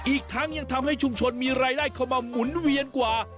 อีกทั้งยังทำให้ชุมชนมีรายได้เข้ามาหมุนเวียนกว่า